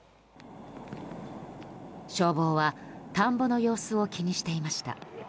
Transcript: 消防は田んぼの様子を気にしていました。